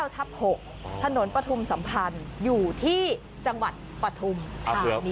ทับ๖ถนนปฐุมสัมพันธ์อยู่ที่จังหวัดปฐุม